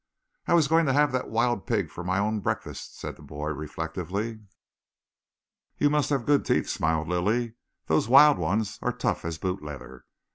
"I was going to have that wild pig for my own breakfast," said the boy reflectively. "You must have good teeth," smiled Lilly. "Those wild ones are tough as boot leather.